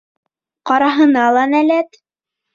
Ҡараһына ла нәләт.